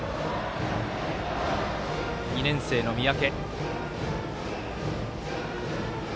２年生の三宅。